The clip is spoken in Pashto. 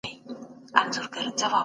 تعاون کول ثواب لري.